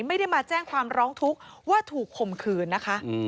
ไม่ได้มาแจ้งความร้องทุกข์ว่าถูกข่มขืนนะคะ